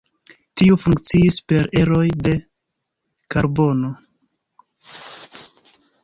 Tiu funkciis per eroj de karbono.